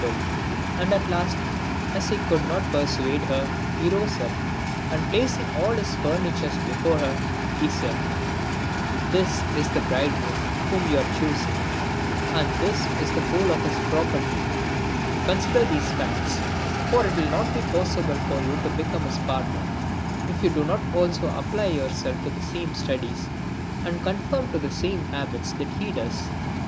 255 could ; and at last, as he could not persuade her, he rose up, and placing all his furniture before her, he said, " This is the bridegroom whom you are choosing, and this is the whole of his property ; consider these facts, for it will not be possible for you to become his partner, if you do not also apply your self to the same studies, and conform to the same habits that he does."